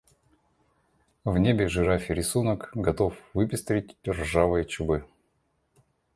В небе жирафий рисунок готов выпестрить ржавые чубы.